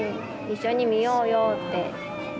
一緒に見ようよって。